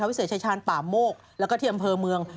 วิเศษชายชาญป่าโมกแล้วก็ที่อำเภอเมือง